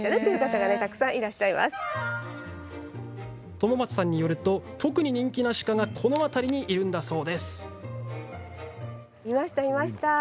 友松さんによると特に人気な鹿がこの辺りにいるんだそう。